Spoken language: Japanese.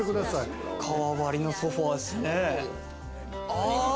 皮張りのソファーすね。